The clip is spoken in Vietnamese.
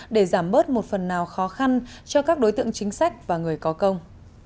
để giảm bớt một phần nào khó khăn cho các đối tượng chính sách và người có công